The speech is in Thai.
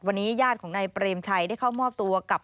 วันนี้ญาติของนายเปรมชัยได้เข้ามอบตัวกับ